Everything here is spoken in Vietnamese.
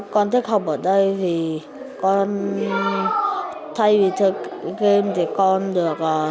con thích học ở đây vì thay vì chơi game thì con được